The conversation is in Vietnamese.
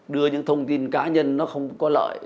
đưa những thông tin cá nhân nó không có lợi